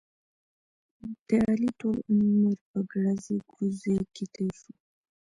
د علي ټول عمر په ګړزې ګړوزې کې تېر شو.